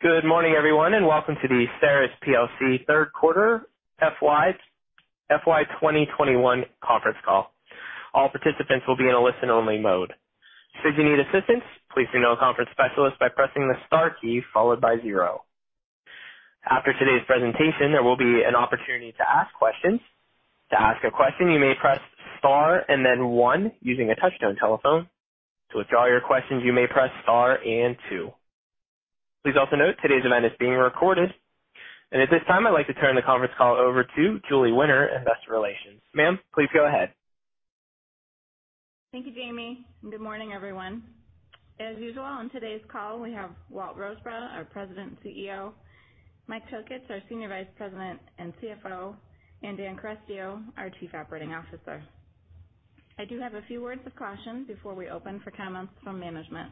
Good morning, everyone, and welcome to the STERIS plc third quarter FY 2021 conference call. All participants will be in a listen-only mode. Should you need assistance, please contact the conference specialist by pressing the star key followed by zero. After today's presentation, there will be an opportunity to ask questions. To ask a question, you may press star and then one using a touch-tone telephone. To withdraw your questions, you may press star and two. Please also note today's event is being recorded, and at this time, I'd like to turn the conference call over to Julie Winter, Investor Relations. Ma'am, please go ahead. Thank you, Jamie. Good morning, everyone. As usual, on today's call, we have Walt Rosebrough, our President and CEO, Mike Tokich, our Senior Vice President and CFO, and Dan Carestio, our Chief Operating Officer. I do have a few words of caution before we open for comments from management.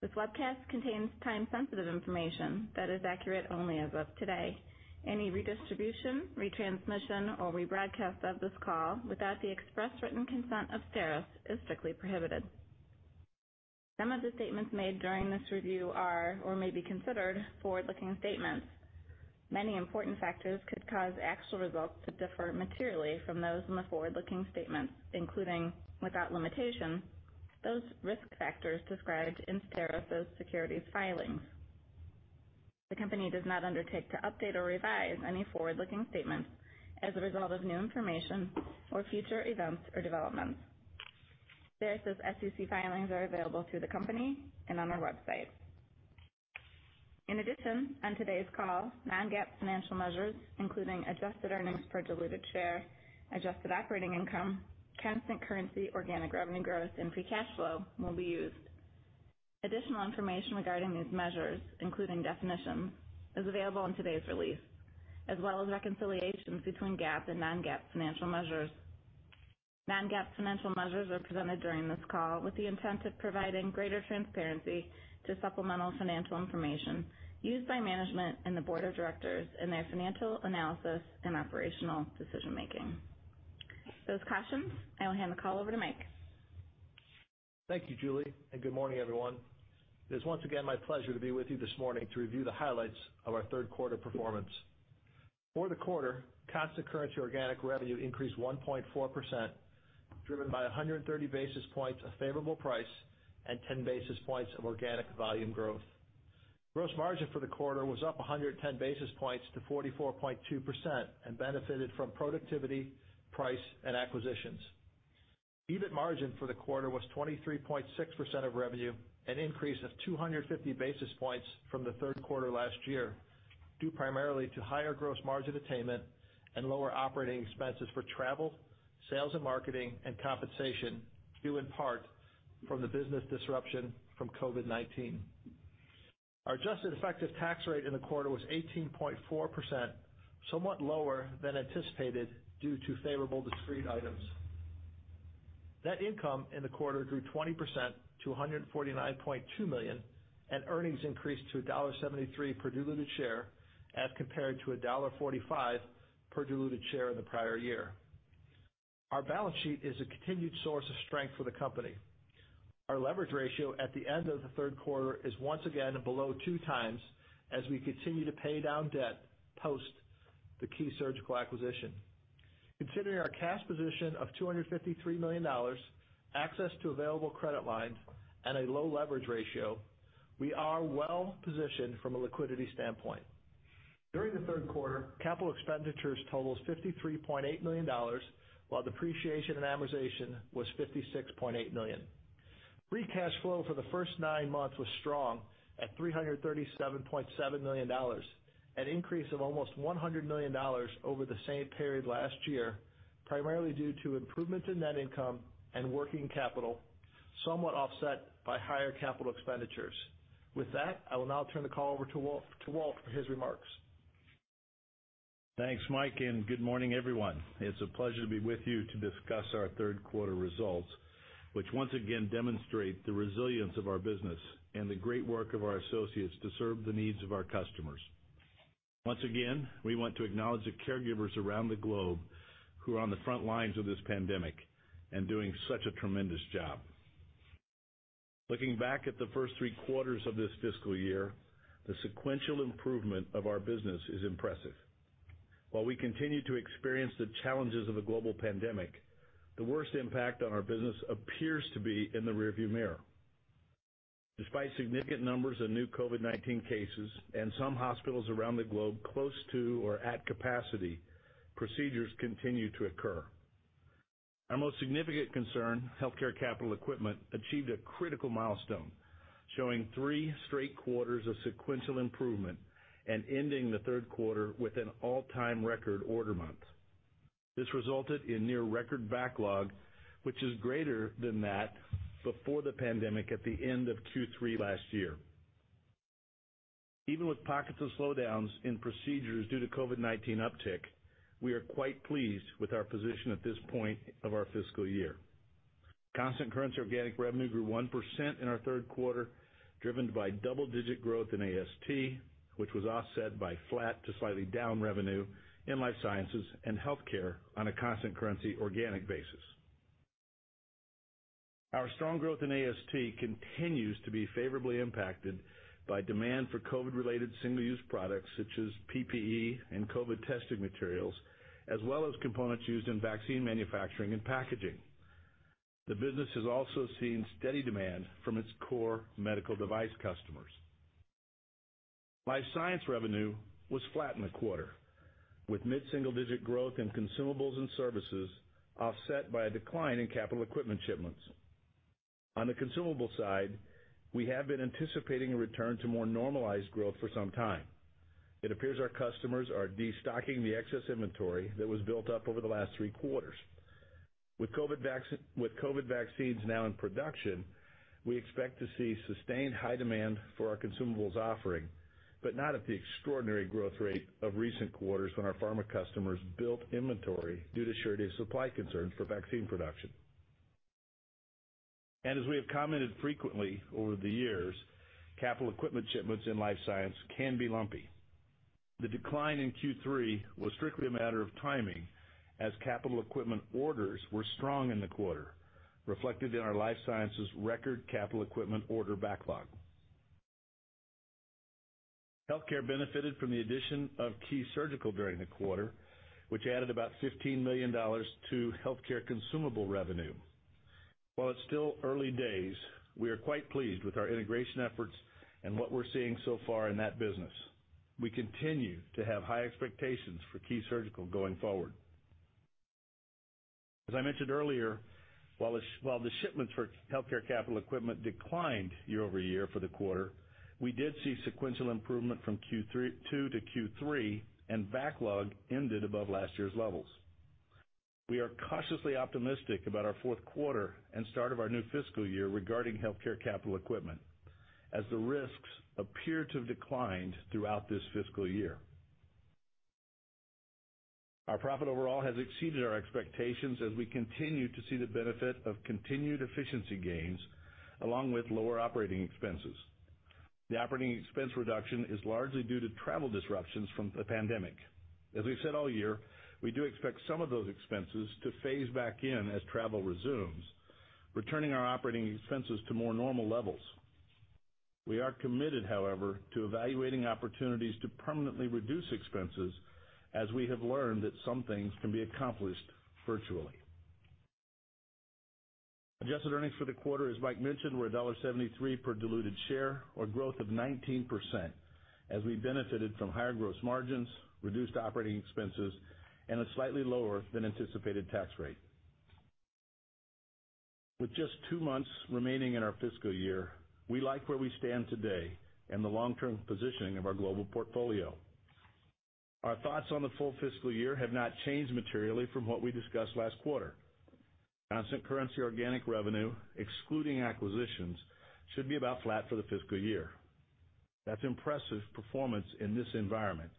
This webcast contains time-sensitive information that is accurate only as of today. Any redistribution, retransmission, or rebroadcast of this call without the express written consent of STERIS is strictly prohibited. Some of the statements made during this review are or may be considered forward-looking statements. Many important factors could cause actual results to differ materially from those in the forward-looking statements, including without limitation, those risk factors described in STERIS's securities filings. The company does not undertake to update or revise any forward-looking statements as a result of new information or future events or developments. STERIS's SEC filings are available through the company and on our website. In addition, on today's call, non-GAAP financial measures, including adjusted earnings per diluted share, adjusted operating income, constant currency, organic revenue growth, and free cash flow will be used. Additional information regarding these measures, including definitions, is available in today's release, as well as reconciliations between GAAP and non-GAAP financial measures. Non-GAAP financial measures are presented during this call with the intent of providing greater transparency to supplemental financial information used by management and the board of directors in their financial analysis and operational decision-making. With those cautions, I will hand the call over to Mike. Thank you, Julie, and good morning, everyone. It is once again my pleasure to be with you this morning to review the highlights of our third quarter performance. For the quarter, constant currency organic revenue increased 1.4%, driven by 130 basis points of favorable price and 10 basis points of organic volume growth. Gross margin for the quarter was up 110 basis points to 44.2% and benefited from productivity, price, and acquisitions. EBIT margin for the quarter was 23.6% of revenue, an increase of 250 basis points from the third quarter last year, due primarily to higher gross margin attainment and lower operating expenses for travel, sales and marketing, and compensation, due in part from the business disruption from COVID-19. Our adjusted effective tax rate in the quarter was 18.4%, somewhat lower than anticipated due to favorable discrete items. Net income in the quarter grew 20% to $149.2 million, and earnings increased to $1.73 per diluted share as compared to $1.45 per diluted share in the prior year. Our balance sheet is a continued source of strength for the company. Our leverage ratio at the end of the third quarter is once again below 2 times as we continue to pay down debt post the Key Surgical acquisition. Considering our cash position of $253 million, access to available credit lines, and a low leverage ratio, we are well positioned from a liquidity standpoint. During the third quarter, capital expenditures totaled $53.8 million, while depreciation and amortization was $56.8 million. Free cash flow for the first nine months was strong at $337.7 million, an increase of almost $100 million over the same period last year, primarily due to improvements in net income and working capital, somewhat offset by higher capital expenditures. With that, I will now turn the call over to Walt for his remarks. Thanks, Mike, and good morning, everyone. It's a pleasure to be with you to discuss our third quarter results, which once again demonstrate the resilience of our business and the great work of our associates to serve the needs of our customers. Once again, we want to acknowledge the caregivers around the globe who are on the front lines of this pandemic and doing such a tremendous job. Looking back at the first three quarters of this fiscal year, the sequential improvement of our business is impressive. While we continue to experience the challenges of a global pandemic, the worst impact on our business appears to be in the rearview mirror. Despite significant numbers of new COVID-19 cases and some hospitals around the globe close to or at capacity, procedures continue to occur. Our most significant concern, Healthcare capital equipment, achieved a critical milestone, showing three straight quarters of sequential improvement and ending the third quarter with an all-time record order month. This resulted in near record backlog, which is greater than that before the pandemic at the end of Q3 last year. Even with pockets of slowdowns in procedures due to COVID-19 uptick, we are quite pleased with our position at this point of our fiscal year. Constant currency organic revenue grew 1% in our third quarter, driven by double-digit growth in AST, which was offset by flat to slightly down revenue in life sciences and Healthcare on a constant currency organic basis. Our strong growth in AST continues to be favorably impacted by demand for COVID-related single-use products such as PPE and COVID testing materials, as well as components used in vaccine manufacturing and packaging. The business has also seen steady demand from its core medical device customers. Life Sciences revenue was flat in the quarter, with mid-single-digit growth in consumables and services, offset by a decline in capital equipment shipments. On the consumable side, we have been anticipating a return to more normalized growth for some time. It appears our customers are destocking the excess inventory that was built up over the last three quarters. With COVID vaccines now in production, we expect to see sustained high demand for our consumables offering, but not at the extraordinary growth rate of recent quarters when our pharma customers built inventory due to surety of supply concerns for vaccine production, and as we have commented frequently over the years, capital equipment shipments in Life Sciences can be lumpy. The decline in Q3 was strictly a matter of timing as capital equipment orders were strong in the quarter, reflected in our Life Sciences record capital equipment order backlog. Healthcare benefited from the addition of Key Surgical during the quarter, which added about $15 million to Healthcare consumable revenue. While it's still early days, we are quite pleased with our integration efforts and what we're seeing so far in that business. We continue to have high expectations for Key Surgical going forward. As I mentioned earlier, while the shipments for Healthcare capital equipment declined year over year for the quarter, we did see sequential improvement from Q2 to Q3, and backlog ended above last year's levels. We are cautiously optimistic about our fourth quarter and start of our new fiscal year regarding Healthcare capital equipment, as the risks appear to have declined throughout this fiscal year. Our profit overall has exceeded our expectations as we continue to see the benefit of continued efficiency gains along with lower operating expenses. The operating expense reduction is largely due to travel disruptions from the pandemic. As we've said all year, we do expect some of those expenses to phase back in as travel resumes, returning our operating expenses to more normal levels. We are committed, however, to evaluating opportunities to permanently reduce expenses as we have learned that some things can be accomplished virtually. Adjusted earnings for the quarter, as Mike mentioned, were $1.73 per diluted share, or growth of 19%, as we benefited from higher gross margins, reduced operating expenses, and a slightly lower than anticipated tax rate. With just two months remaining in our fiscal year, we like where we stand today and the long-term positioning of our global portfolio. Our thoughts on the full fiscal year have not changed materially from what we discussed last quarter. Constant currency organic revenue, excluding acquisitions, should be about flat for the fiscal year. That's impressive performance in this environment,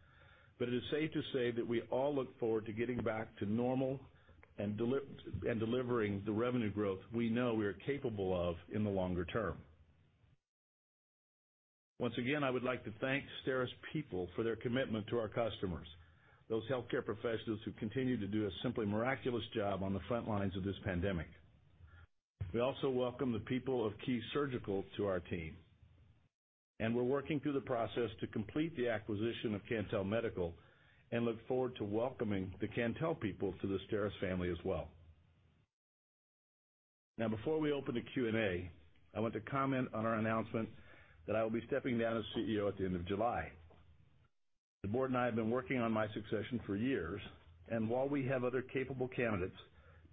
but it is safe to say that we all look forward to getting back to normal and delivering the revenue growth we know we are capable of in the longer term. Once again, I would like to thank STERIS people for their commitment to our customers, those Healthcare professionals who continue to do a simply miraculous job on the front lines of this pandemic. We also welcome the people of Key Surgical to our team, and we're working through the process to complete the acquisition of Cantel Medical and look forward to welcoming the Cantel people to the STERIS family as well. Now, before we open to Q&A, I want to comment on our announcement that I will be stepping down as CEO at the end of July. The board and I have been working on my succession for years, and while we have other capable candidates,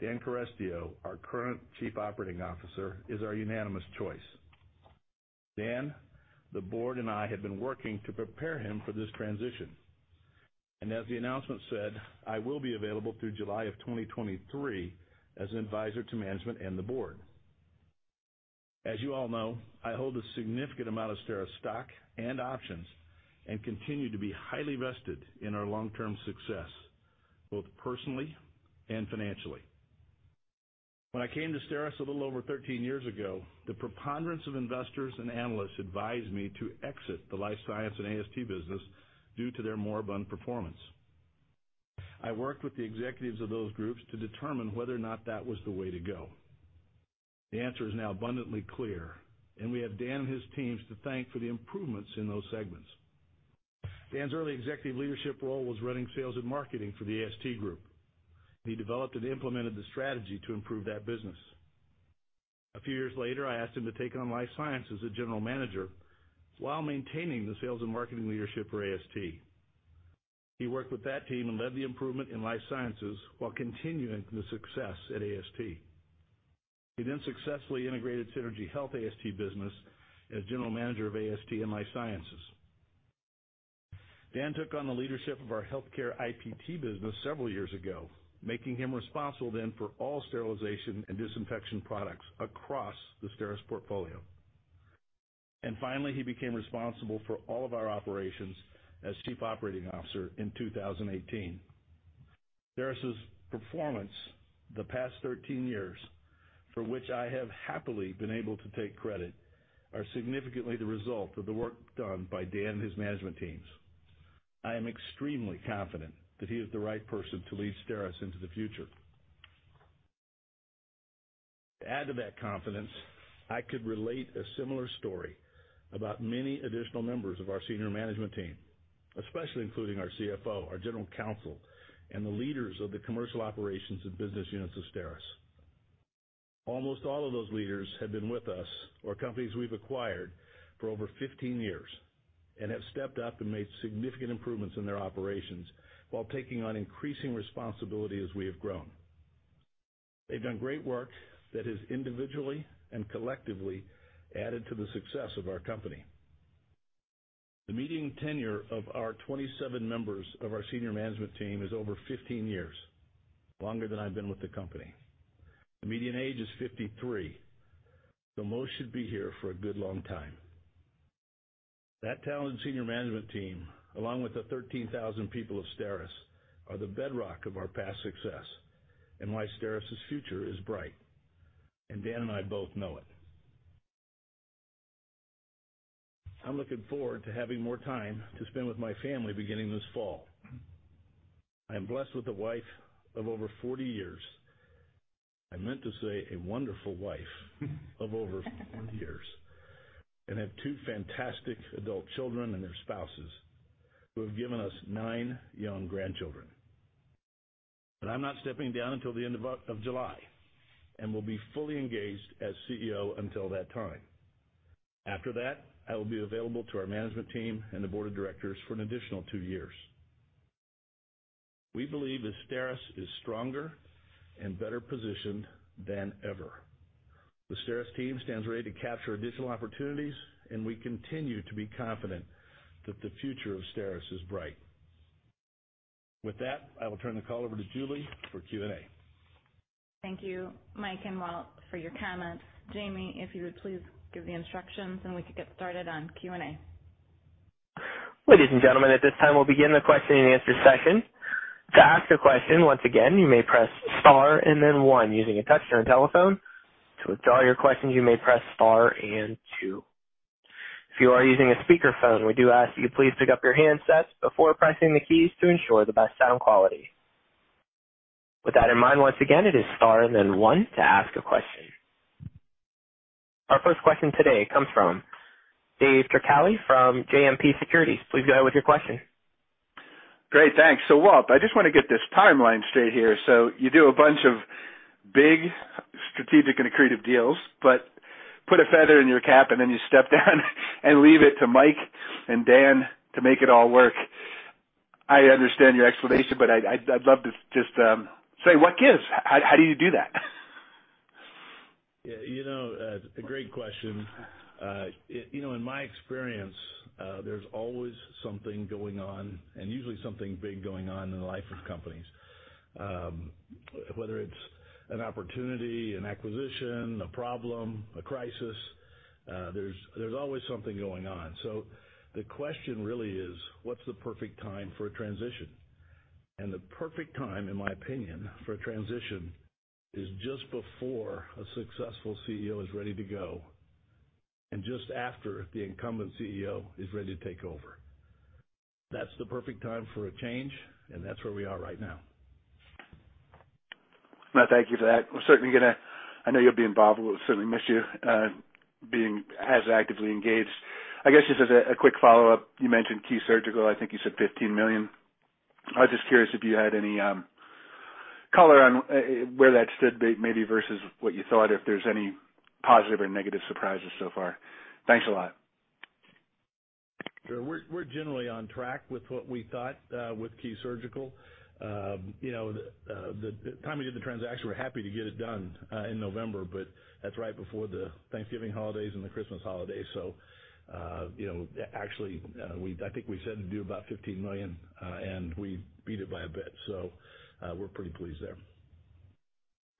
Dan Carestio, our current Chief Operating Officer, is our unanimous choice. Dan, the board and I have been working to prepare him for this transition. And as the announcement said, I will be available through July of 2023 as an advisor to management and the board. As you all know, I hold a significant amount of STERIS stock and options and continue to be highly vested in our long-term success, both personally and financially. When I came to STERIS a little over 13 years ago, the preponderance of investors and analysts advised me to exit the Life Science and AST business due to their moribund performance. I worked with the executives of those groups to determine whether or not that was the way to go. The answer is now abundantly clear, and we have Dan and his teams to thank for the improvements in those segments. Dan's early executive leadership role was running sales and marketing for the AST group. He developed and implemented the strategy to improve that business. A few years later, I asked him to take on Life sciences as a general manager while maintaining the sales and marketing leadership for AST. He worked with that team and led the improvement in Life Sciences while continuing the success at AST. He then successfully integrated Synergy Health AST business as general manager of AST and Life Sciences. Dan took on the leadership of our Healthcare IPT business several years ago, making him responsible then for all sterilization and disinfection products across the STERIS portfolio. Finally, he became responsible for all of our operations as Chief Operating Officer in 2018. STERIS's performance the past 13 years, for which I have happily been able to take credit, are significantly the result of the work done by Dan and his management teams. I am extremely confident that he is the right person to lead STERIS into the future. To add to that confidence, I could relate a similar story about many additional members of our senior management team, especially including our CFO, our General Counsel, and the leaders of the commercial operations and business units of STERIS. Almost all of those leaders have been with us or companies we've acquired for over 15 years and have stepped up and made significant improvements in their operations while taking on increasing responsibility as we have grown. They've done great work that has individually and collectively added to the success of our company. The median tenure of our 27 members of our senior management team is over 15 years, longer than I've been with the company. The median age is 53, so most should be here for a good long time. That talented senior management team, along with the 13,000 people of STERIS, are the bedrock of our past success and why STERIS's future is bright, and Dan and I both know it. I'm looking forward to having more time to spend with my family beginning this fall. I am blessed with a wife of over 40 years. I meant to say a wonderful wife of over 40 years and have two fantastic adult children and their spouses who have given us nine young grandchildren. But I'm not stepping down until the end of July and will be fully engaged as CEO until that time. After that, I will be available to our management team and the board of directors for an additional two years. We believe that STERIS is stronger and better positioned than ever. The STERIS team stands ready to capture additional opportunities, and we continue to be confident that the future of STERIS is bright. With that, I will turn the call over to Julie for Q&A. Thank you, Mike and Walt, for your comments. Jamie, if you would please give the instructions and we could get started on Q&A. Ladies and gentlemen, at this time, we'll begin the question and answer session. To ask a question, once again, you may press star and then one using a touch-tone telephone. To withdraw your questions, you may press star and two. If you are using a speakerphone, we do ask that you please pick up your handsets before pressing the keys to ensure the best sound quality. With that in mind, once again, it is star and then one to ask a question. Our first question today comes from David Turkaly from JMP Securities. Please go ahead with your question. Great. Thanks. So Walt, I just want to get this timeline straight here. So you do a bunch of big strategic and creative deals, but put a feather in your cap and then you step down and leave it to Mike and Dan to make it all work. I understand your explanation, but I'd love to just say, what gives? How do you do that? Yeah. A great question. In my experience, there's always something going on and usually something big going on in the life of companies, whether it's an opportunity, an acquisition, a problem, a crisis. There's always something going on. So the question really is, what's the perfect time for a transition? And the perfect time, in my opinion, for a transition is just before a successful CEO is ready to go and just after the incumbent CEO is ready to take over. That's the perfect time for a change, and that's where we are right now. Thank you for that. We're certainly going to—I know you'll be involved, but we'll certainly miss you being as actively engaged. I guess just as a quick follow-up, you mentioned Key Surgical. I think you said $15 million. I was just curious if you had any color on where that stood maybe versus what you thought, if there's any positive or negative surprises so far. Thanks a lot. We're generally on track with what we thought with Key Surgical. The time we did the transaction, we're happy to get it done in November, but that's right before the Thanksgiving holidays and the Christmas holidays. So actually, I think we said to do about $15 million, and we beat it by a bit. So we're pretty pleased there.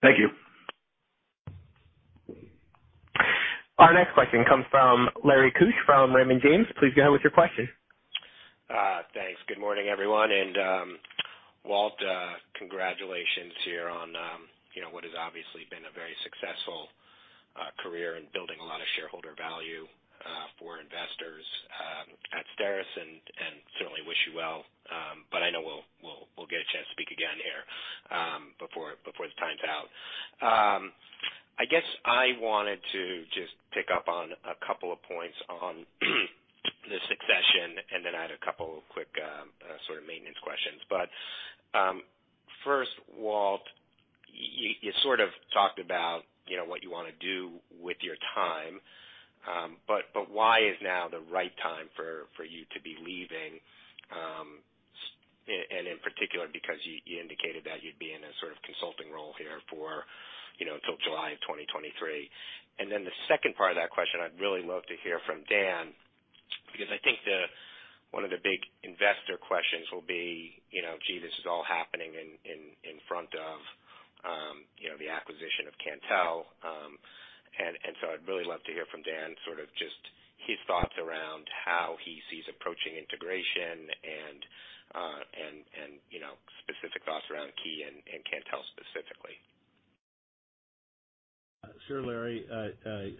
Thank you. Our next question comes from Lawrence Keusch from Raymond James. Please go ahead with your question. Thanks. Good morning, everyone. And Walt, congratulations here on what has obviously been a very successful career in building a lot of shareholder value for investors at STERIS and certainly wish you well. But I know we'll get a chance to speak again here before the time's out. I guess I wanted to just pick up on a couple of points on the succession, and then I had a couple of quick sort of maintenance questions. But first, Walt, you sort of talked about what you want to do with your time, but why is now the right time for you to be leaving? And in particular, because you indicated that you'd be in a sort of consulting role here until July of 2023. And then the second part of that question, I'd really love to hear from Dan because I think one of the big investor questions will be, "Gee, this is all happening in front of the acquisition of Cantel." And so I'd really love to hear from Dan, sort of just his thoughts around how he sees approaching integration and specific thoughts around Key and Cantel specifically. Sure, Larry.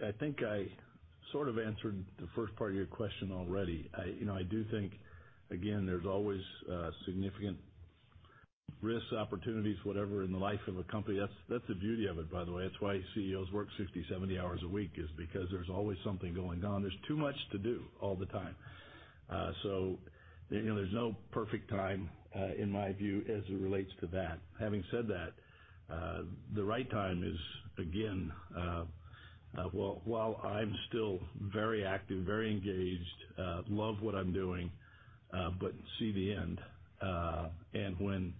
I think I sort of answered the first part of your question already. I do think, again, there's always significant risks, opportunities, whatever, in the life of a company. That's the beauty of it, by the way. That's why CEOs work 60, 70 hours a week, is because there's always something going on. There's too much to do all the time. So there's no perfect time, in my view, as it relates to that. Having said that, the right time is, again, while I'm still very active, very engaged, love what I'm doing, but see the end. And when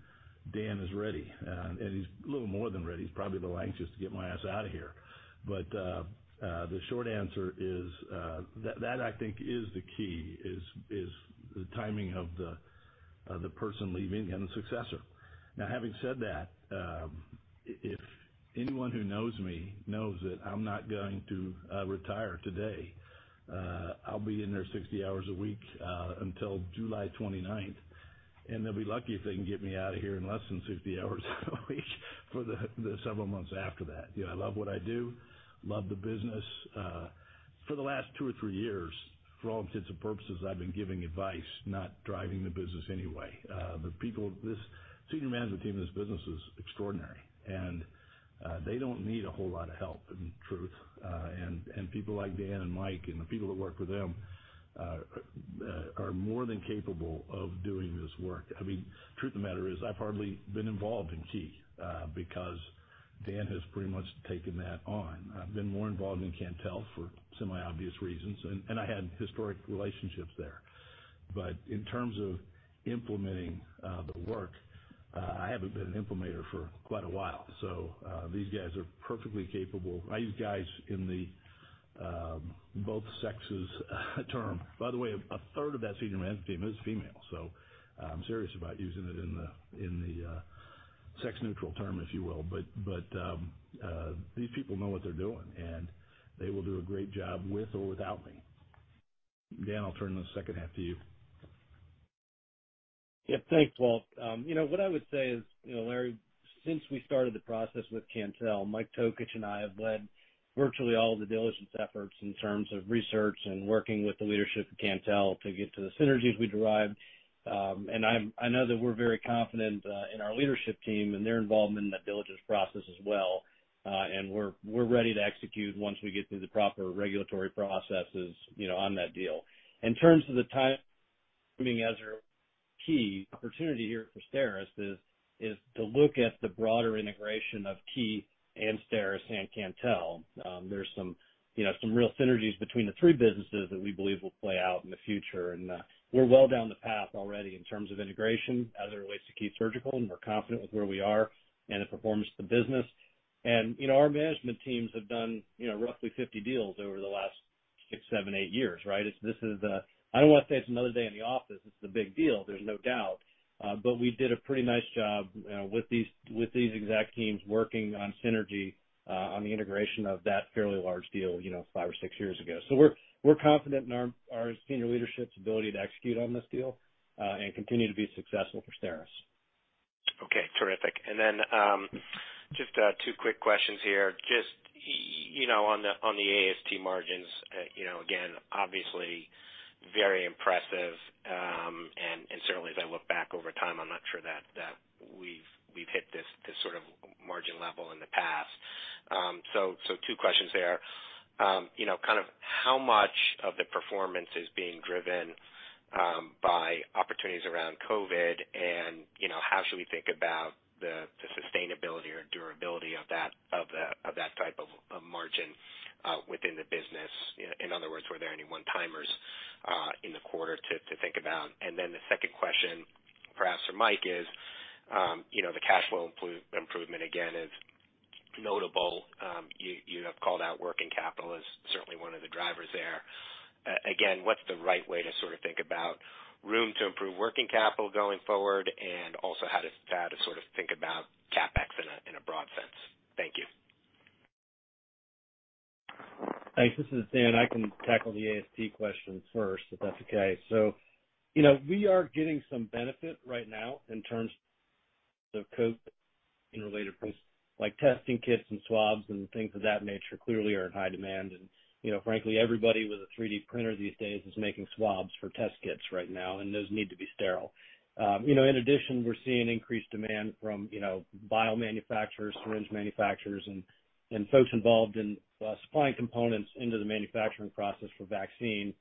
Dan is ready, and he's a little more than ready, he's probably a little anxious to get my ass out of here. But the short answer is that, I think, is the key, is the timing of the person leaving and the successor. Now, having said that, if anyone who knows me knows that I'm not going to retire today, I'll be in there 60 hours a week until July 29th, and they'll be lucky if they can get me out of here in less than 60 hours a week for the several months after that. I love what I do. Love the business. For the last two or three years, for all intents and purposes, I've been giving advice, not driving the business anyway. The senior management team in this business is extraordinary, and they don't need a whole lot of help, in truth. People like Dan and Mike and the people that work with them are more than capable of doing this work. I mean, truth of the matter is, I've hardly been involved in Key because Dan has pretty much taken that on. I've been more involved in Cantel for semi-obvious reasons, and I had historic relationships there. But in terms of implementing the work, I haven't been an implementer for quite a while. These guys are perfectly capable. I use guys in the both-sex terms. By the way, a third of that senior management team is female, so I'm serious about using it in the sex-neutral term, if you will. These people know what they're doing, and they will do a great job with or without me. Dan, I'll turn the second half to you. Yep. Thanks, Walt. What I would say is, Larry, since we started the process with Cantel, Mike Tokich and I have led virtually all of the diligence efforts in terms of research and working with the leadership of Cantel to get to the synergies we derived, and I know that we're very confident in our leadership team and their involvement in that diligence process as well, and we're ready to execute once we get through the proper regulatory processes on that deal. In terms of the timing, a key opportunity here for STERIS is to look at the broader integration of Key and STERIS and Cantel. There's some real synergies between the three businesses that we believe will play out in the future. And we're well down the path already in terms of integration as it relates to Key Surgical, and we're confident with where we are and the performance of the business. And our management teams have done roughly 50 deals over the last six, seven, eight years, right? I don't want to say it's another day in the office. It's the big deal. There's no doubt. But we did a pretty nice job with these exact teams working on Synergy on the integration of that fairly large deal five or six years ago. So we're confident in our senior leadership's ability to execute on this deal and continue to be successful for STERIS. Okay. Terrific. And then just two quick questions here. Just on the AST margins, again, obviously very impressive. And certainly, as I look back over time, I'm not sure that we've hit this sort of margin level in the past. So two questions there. Kind of how much of the performance is being driven by opportunities around COVID, and how should we think about the sustainability or durability of that type of margin within the business? In other words, were there any one-timers in the quarter to think about? And then the second question, perhaps for Mike, is the cash flow improvement, again, is notable. You have called out working capital as certainly one of the drivers there. Again, what's the right way to sort of think about room to improve working capital going forward, and also how to sort of think about CapEx in a broad sense? Thank you. Thanks. This is Dan. I can tackle the AST question first, if that's okay. So we are getting some benefit right now in terms of COVID-related things, like testing kits and swabs and things of that nature clearly are in high demand. And frankly, everybody with a 3D printer these days is making swabs for test kits right now, and those need to be sterile. In addition, we're seeing increased demand from biomanufacturers, syringe manufacturers, and folks involved in supplying components into the manufacturing process for vaccine,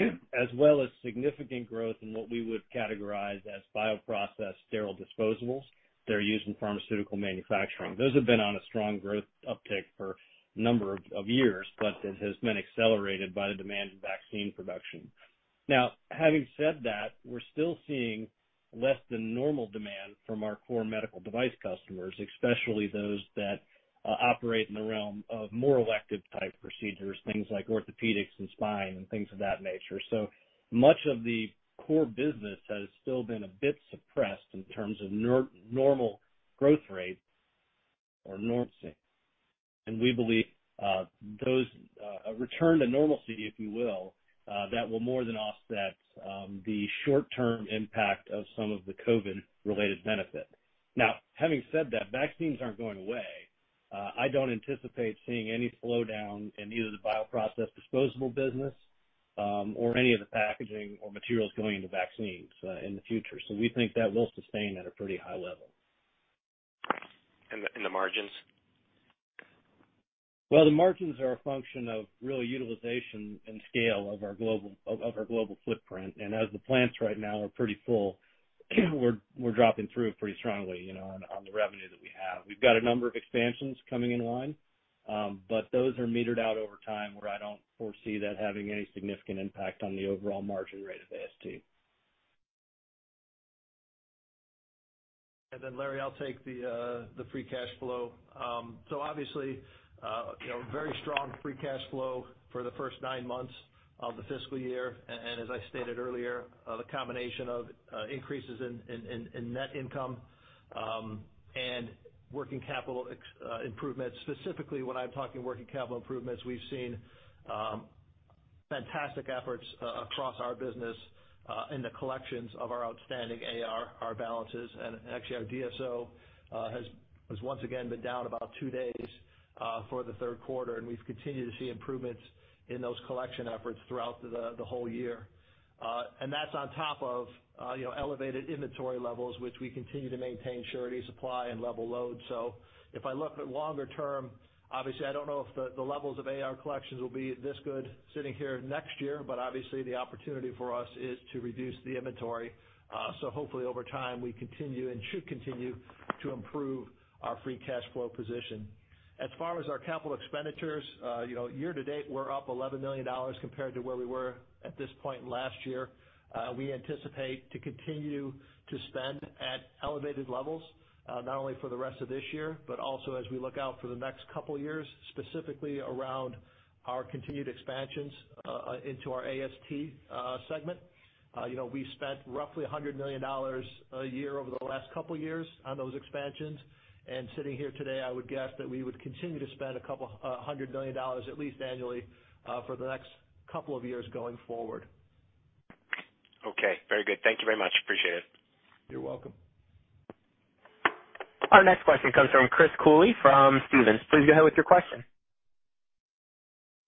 as well as significant growth in what we would categorize as bioprocess sterile disposables that are used in pharmaceutical manufacturing. Those have been on a strong growth uptick for a number of years, but it has been accelerated by the demand for vaccine production. Now, having said that, we're still seeing less than normal demand from our core medical device customers, especially those that operate in the realm of more elective-type procedures, things like orthopedics and spine and things of that nature. So much of the core business has still been a bit suppressed in terms of normal growth rate or normalcy. And we believe those return to normalcy, if you will, that will more than offset the short-term impact of some of the COVID-related benefit. Now, having said that, vaccines aren't going away. I don't anticipate seeing any slowdown in either the bioprocess disposable business or any of the packaging or materials going into vaccines in the future. So we think that will sustain at a pretty high level. The margins? The margins are a function of really utilization and scale of our global footprint, and as the plants right now are pretty full, we're dropping through pretty strongly on the revenue that we have. We've got a number of expansions coming in line, but those are metered out over time where I don't foresee that having any significant impact on the overall margin rate of AST. Then, Larry, I'll take the free cash flow. So obviously, very strong free cash flow for the first nine months of the fiscal year. And as I stated earlier, the combination of increases in net income and working capital improvements. Specifically, when I'm talking working capital improvements, we've seen fantastic efforts across our business in the collections of our outstanding AR, our balances. And actually, our DSO has once again been down about two days for the third quarter, and we've continued to see improvements in those collection efforts throughout the whole year. And that's on top of elevated inventory levels, which we continue to maintain surety supply and level load. So if I look at longer term, obviously, I don't know if the levels of AR collections will be this good sitting here next year, but obviously, the opportunity for us is to reduce the inventory. So hopefully, over time, we continue and should continue to improve our free cash flow position. As far as our capital expenditures, year to date, we're up $11 million compared to where we were at this point last year. We anticipate to continue to spend at elevated levels, not only for the rest of this year, but also as we look out for the next couple of years, specifically around our continued expansions into our AST segment. We spent roughly $100 million a year over the last couple of years on those expansions. And sitting here today, I would guess that we would continue to spend a couple of $100 million at least annually for the next couple of years going forward. Okay. Very good. Thank you very much. Appreciate it. You're welcome. Our next question comes from Chris Cooley from Stephens. Please go ahead with your question.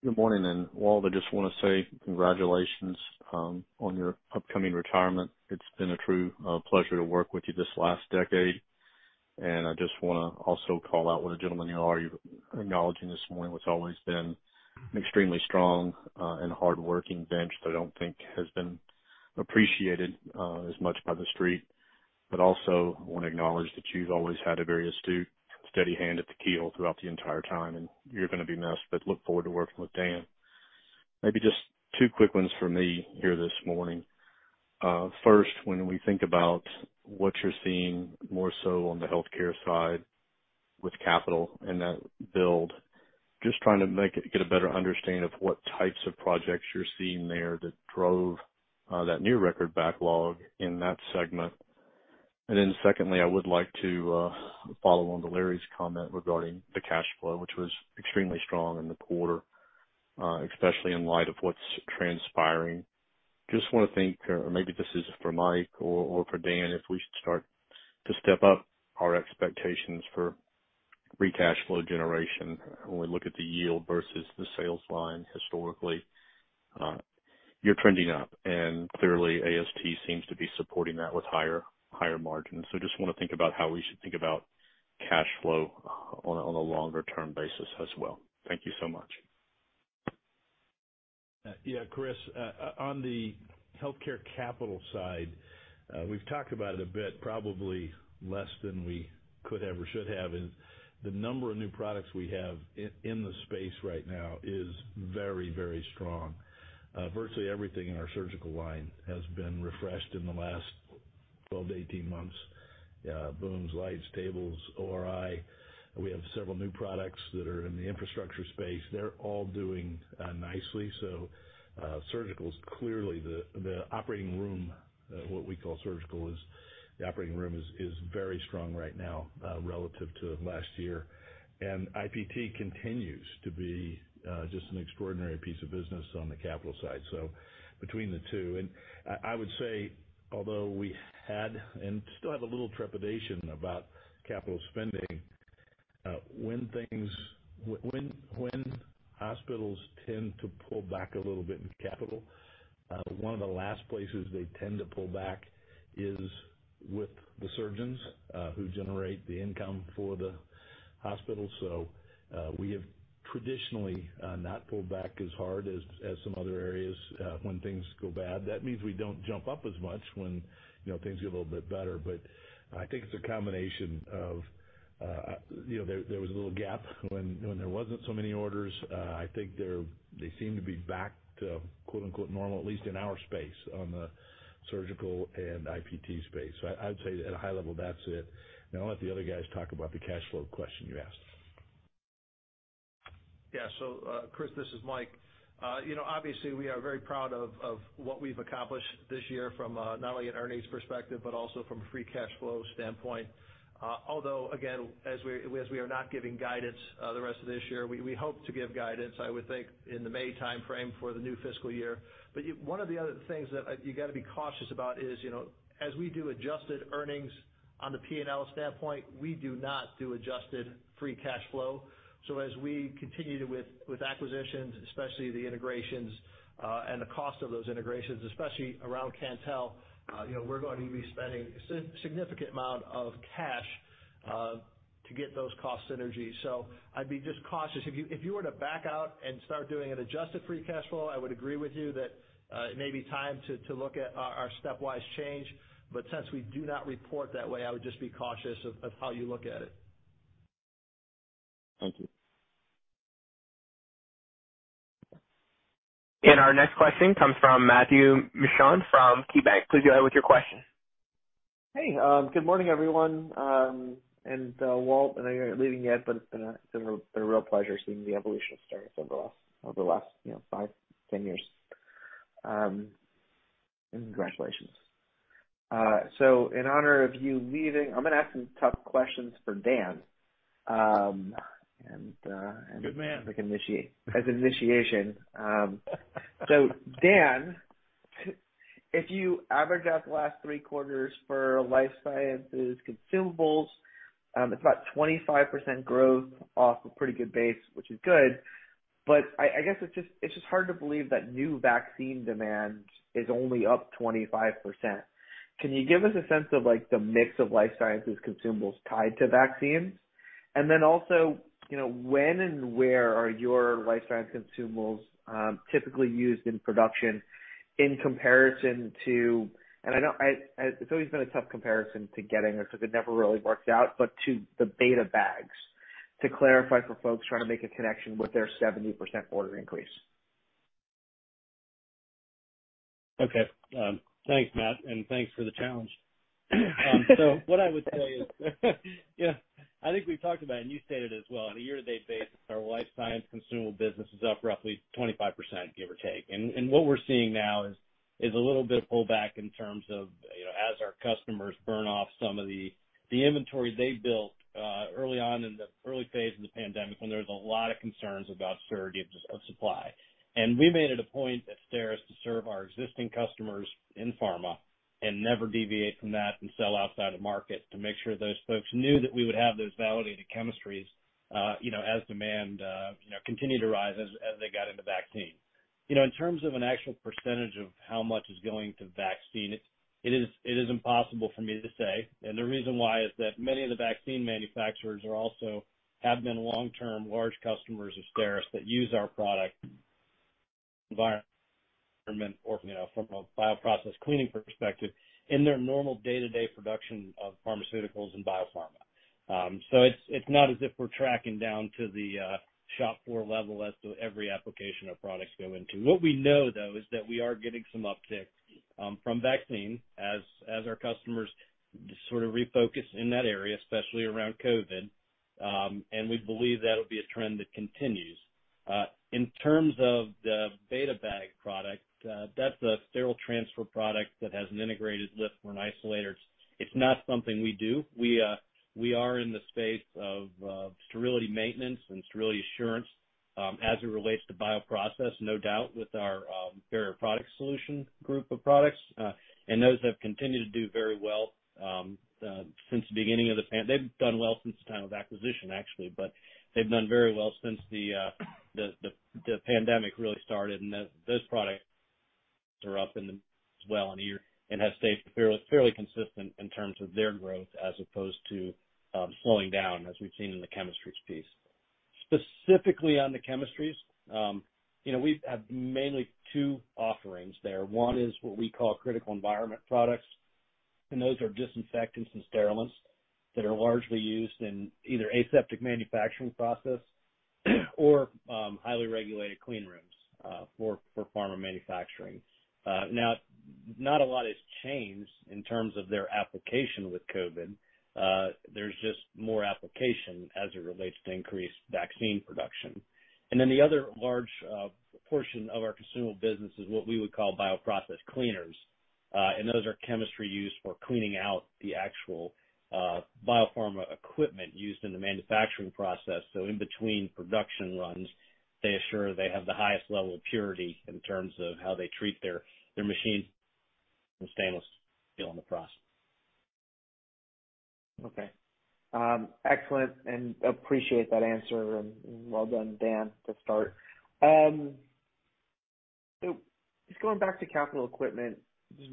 Good morning, and Walt, I just want to say congratulations on your upcoming retirement. It's been a true pleasure to work with you this last decade, and I just want to also call out what a gentleman you are acknowledging this morning. It's always been an extremely strong and hardworking bench that I don't think has been appreciated as much by the street. But also, I want to acknowledge that you've always had a very astute, steady hand at the keel throughout the entire time, and you're going to be missed, but look forward to working with Dan. Maybe just two quick ones for me here this morning. First, when we think about what you're seeing more so on the Healthcare side with capital and that build, just trying to get a better understanding of what types of projects you're seeing there that drove that new record backlog in that segment. And then secondly, I would like to follow on to Larry's comment regarding the cash flow, which was extremely strong in the quarter, especially in light of what's transpiring. Just want to think, or maybe this is for Mike or for Dan, if we should start to step up our expectations for free cash flow generation when we look at the yield versus the sales line historically. You're trending up, and clearly, AST seems to be supporting that with higher margins. So just want to think about how we should think about cash flow on a longer-term basis as well. Thank you so much. Yeah, Chris, on the Healthcare capital side, we've talked about it a bit, probably less than we could have or should have. The number of new products we have in the space right now is very, very strong. Virtually everything in our surgical line has been refreshed in the last 12 to 18 months: booms, lights, tables, ORI. We have several new products that are in the infrastructure space. They're all doing nicely. So surgical is clearly the operating room, what we call surgical, is the operating room is very strong right now relative to last year. And IPT continues to be just an extraordinary piece of business on the capital side. So, between the two, and I would say, although we had and still have a little trepidation about capital spending, when hospitals tend to pull back a little bit in capital, one of the last places they tend to pull back is with the surgeons who generate the income for the hospitals. So we have traditionally not pulled back as hard as some other areas when things go bad. That means we don't jump up as much when things get a little bit better. But I think it's a combination of there was a little gap when there wasn't so many orders. I think they seem to be back to "normal," at least in our space on the surgical and IPT space. So I would say at a high level, that's it. Now, let the other guys talk about the cash flow question you asked. Yeah. So Chris, this is Mike. Obviously, we are very proud of what we've accomplished this year from not only an earnings perspective but also from a free cash flow standpoint. Although, again, as we are not giving guidance the rest of this year, we hope to give guidance, I would think, in the May timeframe for the new fiscal year. But one of the other things that you got to be cautious about is, as we do adjusted earnings on the P&L standpoint, we do not do adjusted free cash flow. So as we continue with acquisitions, especially the integrations and the cost of those integrations, especially around Cantel, we're going to be spending a significant amount of cash to get those cost synergies. So I'd be just cautious. If you were to back out and start doing an Adjusted Free Cash Flow, I would agree with you that it may be time to look at our stepwise change. But since we do not report that way, I would just be cautious of how you look at it. Thank you. Our next question comes from Matthew Mishan from KeyBanc. Please go ahead with your question. Hey. Good morning, everyone. And Walt, I know you're not leaving yet, but it's been a real pleasure seeing the evolution of STERIS over the last five, 10 years. And congratulations. So in honor of you leaving, I'm going to ask some tough questions for Dan. And. Good man. As an initiation. So Dan, if you average out the last three quarters for Life Sciences consumables, it's about 25% growth off a pretty good base, which is good. But I guess it's just hard to believe that new vaccine demand is only up 25%. Can you give us a sense of the mix of Life Sciences consumables tied to vaccines? And then also, when and where are your Life Science consumables typically used in production in comparison to—and it's always been a tough comparison to getting or something that never really works out—but to the Beta Bags to clarify for folks trying to make a connection with their 70% order increase? Okay. Thanks, Matt. And thanks for the challenge. So what I would say is, yeah, I think we've talked about it, and you stated it as well. On a year-to-date basis, our Life Science consumable business is up roughly 25%, give or take. And what we're seeing now is a little bit of pullback in terms of as our customers burn off some of the inventory they built early on in the early phase of the pandemic when there was a lot of concerns about surety of supply. And we made it a point at STERIS to serve our existing customers in pharma and never deviate from that and sell outside the market to make sure those folks knew that we would have those validated chemistries as demand continued to rise as they got into vaccine. In terms of an actual percentage of how much is going to vaccine, it is impossible for me to say. And the reason why is that many of the vaccine manufacturers have been long-term large customers of STERIS that use our product environment from a bioprocess cleaning perspective in their normal day-to-day production of pharmaceuticals and biopharma. So it's not as if we're tracking down to the shop floor level as to every application our products go into. What we know, though, is that we are getting some uptick from vaccine as our customers sort of refocus in that area, especially around COVID. And we believe that will be a trend that continues. In terms of the Beta Bag product, that's a sterile transfer product that has an integrated lip for an isolator. It's not something we do. We are in the space of sterility maintenance and sterility assurance as it relates to bioprocess, no doubt, with our Barrier Product Solutions group of products, and those have continued to do very well since the beginning of the pandemic. They've done well since the time of acquisition, actually, but they've done very well since the pandemic really started, and those products are up as well in a year and have stayed fairly consistent in terms of their growth as opposed to slowing down as we've seen in the chemistry piece. Specifically on the chemistries, we have mainly two offerings there. One is what we call Critical Environment Products, and those are disinfectants and sterilants that are largely used in either aseptic manufacturing process or highly regulated cleanrooms for pharma manufacturing. Now, not a lot has changed in terms of their application with COVID. There's just more application as it relates to increased vaccine production. And then the other large portion of our consumable business is what we would call bioprocess cleaners. And those are chemistries used for cleaning out the actual biopharma equipment used in the manufacturing process. So in between production runs, they assure they have the highest level of purity in terms of how they treat their machines and stainless steel in the process. Okay. Excellent. And appreciate that answer. And well done, Dan, to start. Just going back to capital equipment,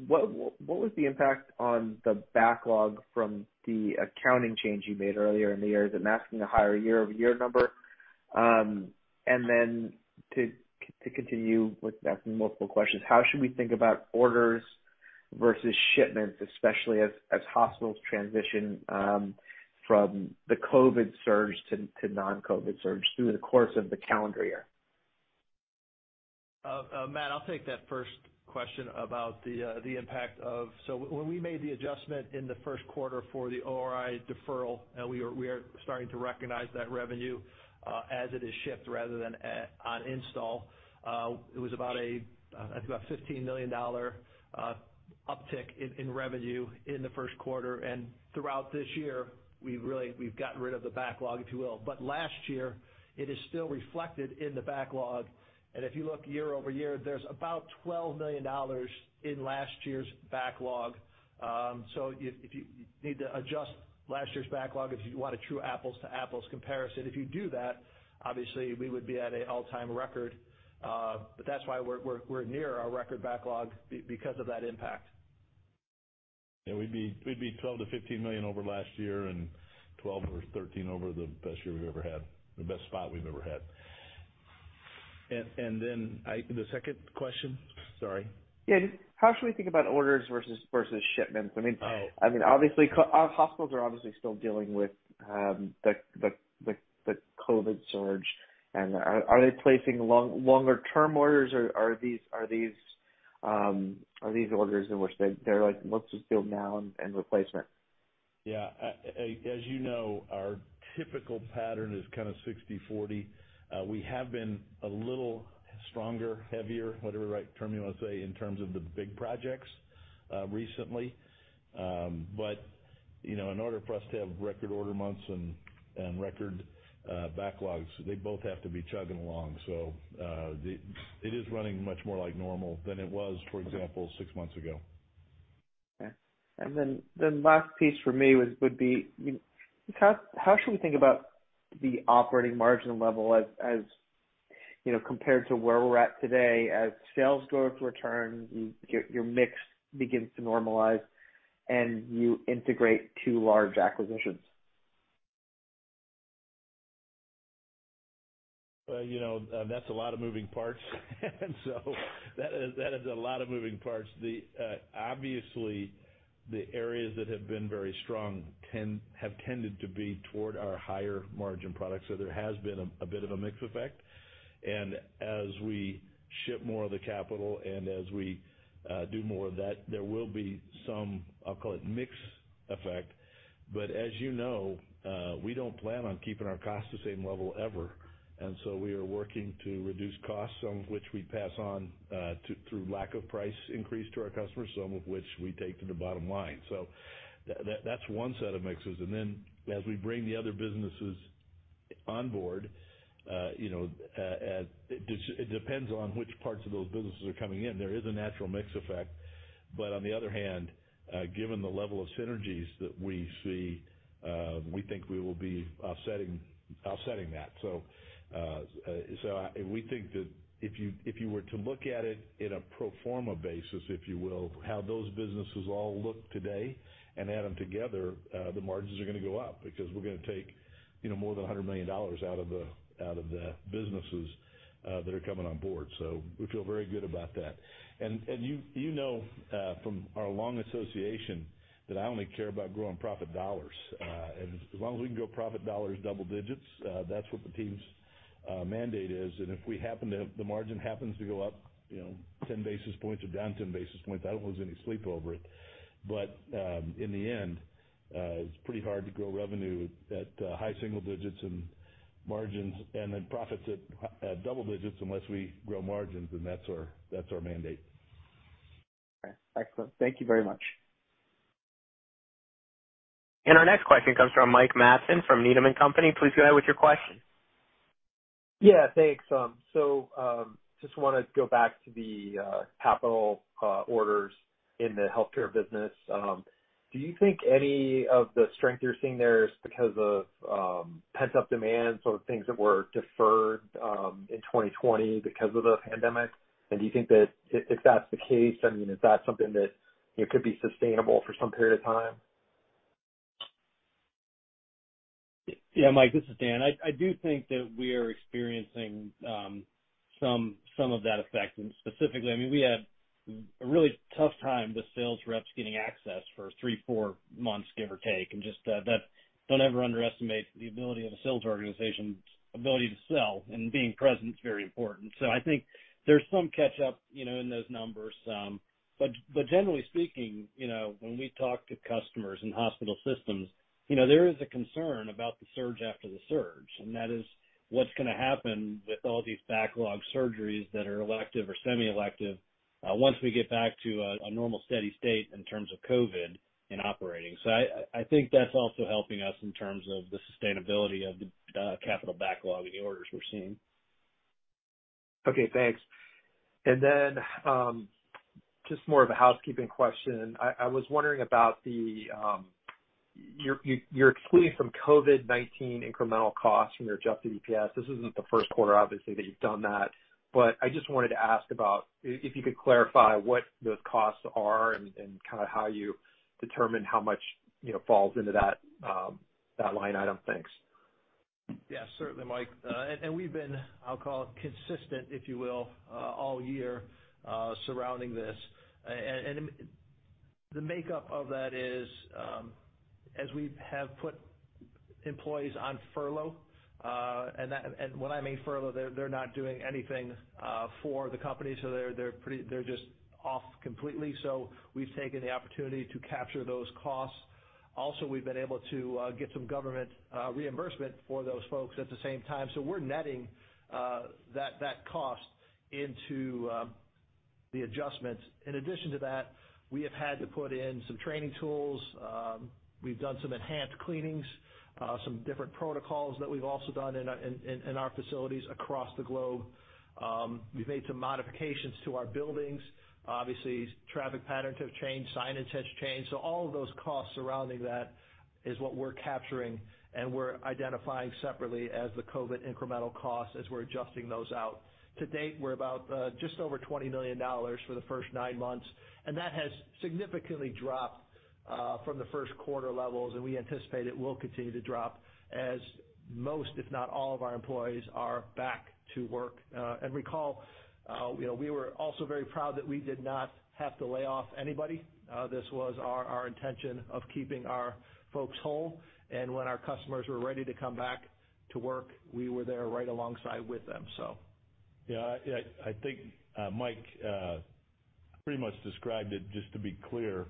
what was the impact on the backlog from the accounting change you made earlier in the year? Is it masking a higher year-over-year number? And then to continue with asking multiple questions, how should we think about orders versus shipments, especially as hospitals transition from the COVID surge to non-COVID surge through the course of the calendar year? Matt, I'll take that first question about the impact of so when we made the adjustment in the first quarter for the ORI deferral, and we are starting to recognize that revenue as it is shipped rather than on install. It was about a, I think, about $15 million uptick in revenue in the first quarter. And throughout this year, we've gotten rid of the backlog, if you will. But last year, it is still reflected in the backlog. And if you look year over year, there's about $12 million in last year's backlog. So if you need to adjust last year's backlog, if you want a true apples-to-apples comparison, if you do that, obviously, we would be at an all-time record. But that's why we're near our record backlog because of that impact. Yeah. We'd be $12 million-$15 million over last year and $12 or $13 over the best year we've ever had, the best spot we've ever had, and then the second question, sorry. Yeah. How should we think about orders versus shipments? I mean, obviously, hospitals are still dealing with the COVID surge, and are they placing longer-term orders, or are these orders in which they're like, "Let's just build now and replacement"? Yeah. As you know, our typical pattern is kind of 60/40. We have been a little stronger, heavier, whatever right term you want to say, in terms of the big projects recently. But in order for us to have record order months and record backlogs, they both have to be chugging along. So it is running much more like normal than it was, for example, six months ago. Okay, and then the last piece for me would be, how should we think about the operating margin level as compared to where we're at today as sales growth returns, your mix begins to normalize, and you integrate two large acquisitions? That's a lot of moving parts, and so that is a lot of moving parts. Obviously, the areas that have been very strong have tended to be toward our higher margin products, so there has been a bit of a mixed effect, and as we ship more of the capital and as we do more of that, there will be some, I'll call it, mixed effect, but as you know, we don't plan on keeping our costs the same level ever, and so we are working to reduce costs, some of which we pass on through lack of price increase to our customers, some of which we take to the bottom line, so that's one set of mixes, and then as we bring the other businesses on board, it depends on which parts of those businesses are coming in. There is a natural mix effect. But on the other hand, given the level of synergies that we see, we think we will be offsetting that. So we think that if you were to look at it in a pro forma basis, if you will, how those businesses all look today and add them together, the margins are going to go up because we're going to take more than $100 million out of the businesses that are coming on board. So we feel very good about that. And you know from our long association that I only care about growing profit dollars. And as long as we can grow profit dollars double digits, that's what the team's mandate is. And if we happen to have the margin happens to go up 10 basis points or down 10 basis points, I don't lose any sleep over it. But in the end, it's pretty hard to grow revenue at high single digits and margins and then profits at double digits unless we grow margins. And that's our mandate. Okay. Excellent. Thank you very much. And our next question comes from Mike Matson from Needham & Company. Please go ahead with your question. Yeah. Thanks. So just want to go back to the capital orders in the Healthcare business. Do you think any of the strength you're seeing there is because of pent-up demand, sort of things that were deferred in 2020 because of the pandemic? And do you think that if that's the case, I mean, is that something that could be sustainable for some period of time? Yeah. Mike, this is Dan. I do think that we are experiencing some of that effect. And specifically, I mean, we had a really tough time with sales reps getting access for three, four months, give or take. And just don't ever underestimate the ability of a sales organization, ability to sell. And being present is very important. So I think there's some catch-up in those numbers. But generally speaking, when we talk to customers and hospital systems, there is a concern about the surge after the surge. And that is what's going to happen with all these backlog surgeries that are elective or semi-elective once we get back to a normal steady state in terms of COVID in operating. So I think that's also helping us in terms of the sustainability of the capital backlog and the orders we're seeing. Okay. Thanks. And then just more of a housekeeping question. I was wondering about your excluding, from COVID-19, incremental costs from your adjusted EPS. This isn't the first quarter, obviously, that you've done that. But I just wanted to ask about if you could clarify what those costs are and kind of how you determine how much falls into that line item things? Yeah. Certainly, Mike. And we've been, I'll call it, consistent, if you will, all year surrounding this. And the makeup of that is, as we have put employees on furlough. And when I mean furlough, they're not doing anything for the company. So they're just off completely. So we've taken the opportunity to capture those costs. Also, we've been able to get some government reimbursement for those folks at the same time. So we're netting that cost into the adjustments. In addition to that, we have had to put in some training tools. We've done some enhanced cleanings, some different protocols that we've also done in our facilities across the globe. We've made some modifications to our buildings. Obviously, traffic patterns have changed. Signage has changed. So all of those costs surrounding that is what we're capturing. We're identifying separately as the COVID incremental costs as we're adjusting those out. To date, we're about just over $20 million for the first nine months. That has significantly dropped from the first quarter levels. We anticipate it will continue to drop as most, if not all, of our employees are back to work. Recall, we were also very proud that we did not have to lay off anybody. This was our intention of keeping our folks whole. When our customers were ready to come back to work, we were there right alongside with them, so. Yeah. I think Mike pretty much described it. Just to be clear,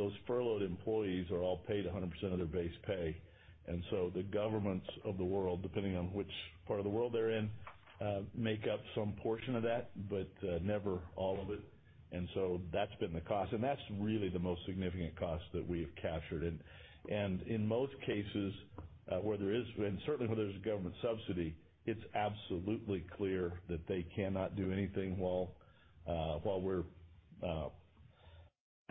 those furloughed employees are all paid 100% of their base pay. And so the governments of the world, depending on which part of the world they're in, make up some portion of that, but never all of it. And so that's been the cost. And that's really the most significant cost that we have captured. And in most cases where there is, and certainly where there's a government subsidy, it's absolutely clear that they cannot do anything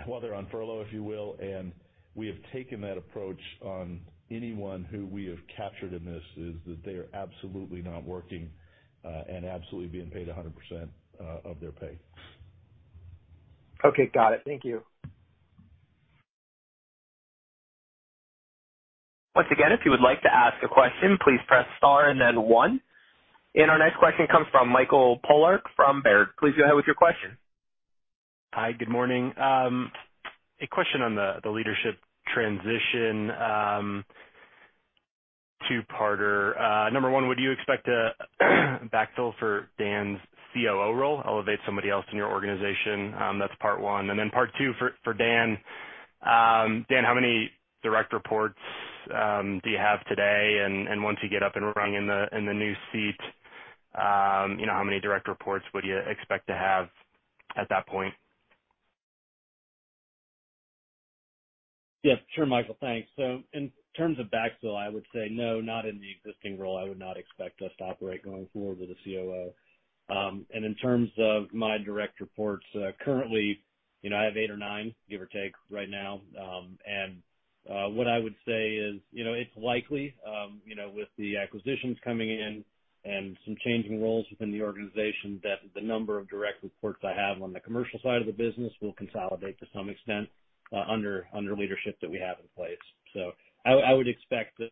while they're on furlough, if you will. And we have taken that approach on anyone who we have captured in this is that they are absolutely not working and absolutely being paid 100% of their pay. Okay. Got it. Thank you. Once again, if you would like to ask a question, please press star and then one. And our next question comes from Michael Polark from Baird. Please go ahead with your question. Hi. Good morning. A question on the leadership transition two-parter. Number one, would you expect a backfill for Dan's COO role? Elevate somebody else in your organization? That's part one, and then part two for Dan. Dan, how many direct reports do you have today? And once you get up and running in the new seat, how many direct reports would you expect to have at that point? Yeah. Sure, Michael. Thanks. So in terms of backfill, I would say no, not in the existing role. I would not expect us to operate going forward with a COO. And in terms of my direct reports, currently, I have eight or nine, give or take, right now. And what I would say is it's likely with the acquisitions coming in and some changing roles within the organization that the number of direct reports I have on the commercial side of the business will consolidate to some extent under leadership that we have in place. So I would expect it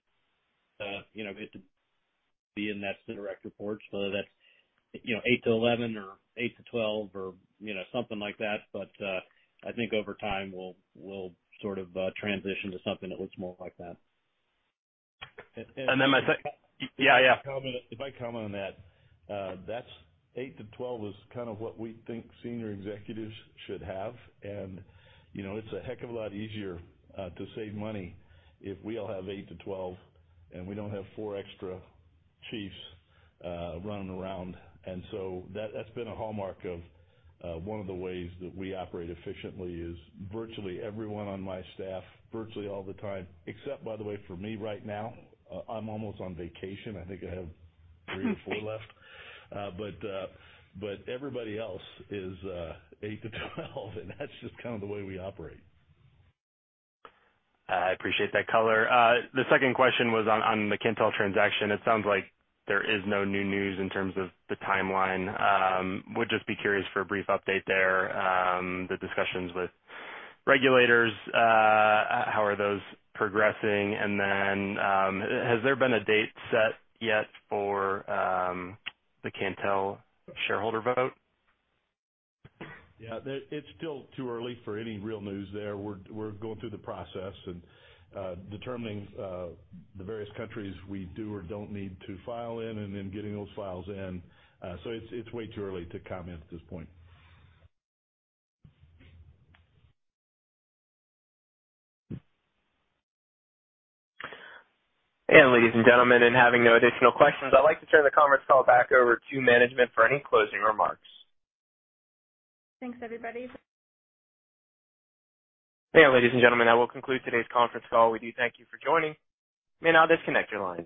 to be in that. Direct reports, whether that's eight to 11 or eight to 12 or something like that. But I think over time, we'll sort of transition to something that looks more like that. And then my second. Yeah. Yeah. If I comment on that, that 8-12 is kind of what we think senior executives should have. And it's a heck of a lot easier to save money if we all have 8-12 and we don't have four extra chiefs running around. And so that's been a hallmark of one of the ways that we operate efficiently: virtually everyone on my staff, virtually all the time, except, by the way, for me right now. I'm almost on vacation. I think I have three or four left. But everybody else is 8-12. And that's just kind of the way we operate. I appreciate that color. The second question was on the Cantel transaction. It sounds like there is no new news in terms of the timeline. Would just be curious for a brief update there. The discussions with regulators, how are those progressing? And then has there been a date set yet for the Cantel shareholder vote? Yeah. It's still too early for any real news there. We're going through the process and determining the various countries we do or don't need to file in and then getting those files in. So it's way too early to comment at this point. Ladies and gentlemen, in having no additional questions, I'd like to turn the conference call back over to management for any closing remarks. Thanks, everybody. Ladies and gentlemen, that will conclude today's conference call. We do thank you for joining. I'll disconnect your line.